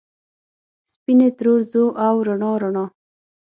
سپینې ترورځو ، او رڼا ، رڼا